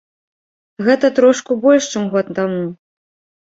Гэта трошку больш, чым год таму.